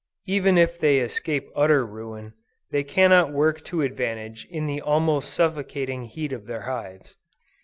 Even if they escape utter ruin, they cannot work to advantage in the almost suffocating heat of their hives.